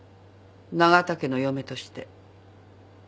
永田家の嫁として。